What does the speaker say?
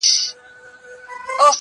هره شپه به وي خپړي په نوکرځو-